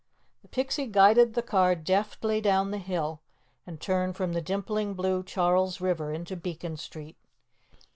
The Pixie guided the car deftly down the hill, and turned from the dimpling blue Charles River into Beacon Street.